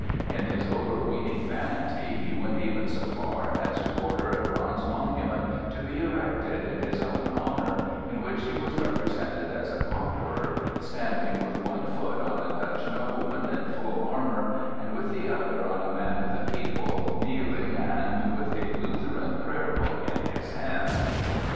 In his overweening vanity he went even so far as to order a bronze monument to be erected in his own honor, in which he was represented as a conqueror, standing with one foot on a Dutch nobleman in full armor and with the other on a man of the people, kneeling and with a Lutheran prayer book in his hands.